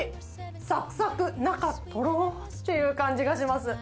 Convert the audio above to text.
さくさく、中とろっていう感じがします。